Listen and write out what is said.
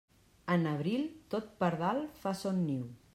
En abril, tot pardal fa son niu.